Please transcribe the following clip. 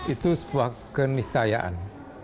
itu sebuah keniscayaan